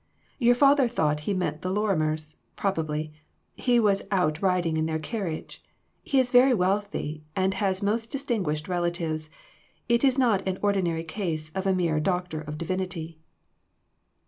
Your father thought he meant the Lorrimers, probably; he was out riding in their carriage. He is very wealthy, and has most distinguished relatives ; it is not an ordinary case of a mere doc tor of divinity."